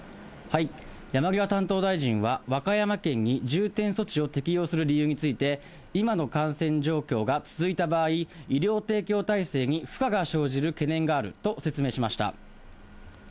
山際担当大臣は、和歌山県に重点措置を適用する理由について、今の感染状況が続いた場合、医療提供体制に負荷が生じる懸念があると説明しました。